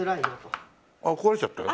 あっ壊れちゃったよ。